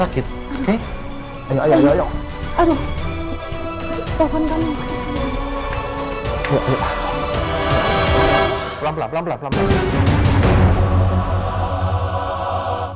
apalagi usaha usaha online itu sekarang lagi bagus dan sangat marah